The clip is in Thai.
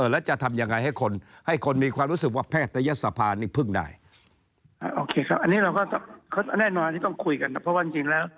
และจะทำยังไงให้คนมีความรู้สึกว่าแพทยศภานี่พึ่งได้